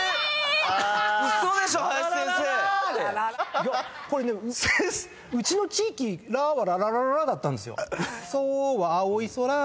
いやこれねうちの地域「ラはラララララ」だったんですよ。